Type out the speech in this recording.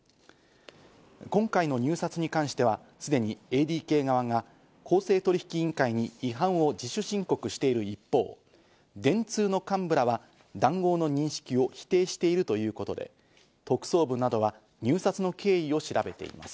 今回の入札に関しては、すでにＡＤＫ側が公正取引委員会に違反を自主申告している一方、電通の幹部らは談合の認識を否定しているということで、特捜部などは入札の経緯を調べています。